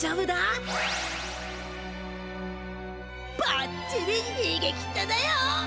ばっちりにげきっただよ！